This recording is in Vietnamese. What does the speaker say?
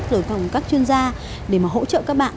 lời khổng các chuyên gia để mà hỗ trợ các bạn